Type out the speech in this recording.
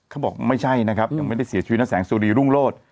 เขาบอกไม่ใช่นะครับยังไม่ได้เสียชีวิตนะแสงสุรีรุ่งโลศ